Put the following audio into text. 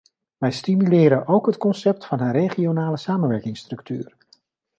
Wij stimuleren ook het concept van een regionale samenwerkingsstructuur.